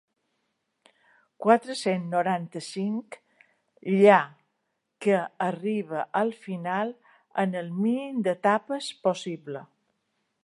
Quatre-cents noranta-cinc lla que arriba al final en el mínim d'etapes possible.